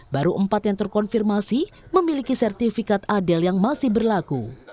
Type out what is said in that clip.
baru empat yang terkonfirmasi memiliki sertifikat adil yang masih berlaku